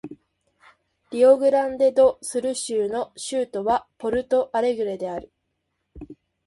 リオグランデ・ド・スル州の州都はポルト・アレグレである